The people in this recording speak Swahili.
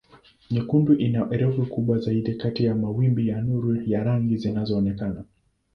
Nyekundu ina urefu mkubwa zaidi kati ya mawimbi ya nuru ya rangi zinazoonekana.